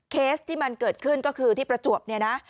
เคสที่มันเกิดขึ้นก็คือที่ประจวบเนี่ยนะ